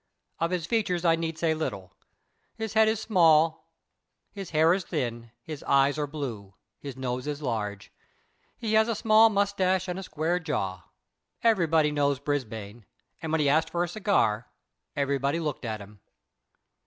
Of his features I need say little. His head is small, his hair is thin, his eyes are blue, his nose is large, he has a small moustache and a square jaw. Everybody knows Brisbane, and when he asked for a cigar everybody looked at him.